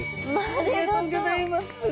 ありがとうございます。